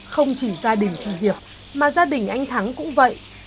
không chỉ gia đình chị hiệp mà gia đình anh thắng cũng vậy